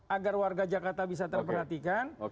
agar warga jakarta bisa terperhatikan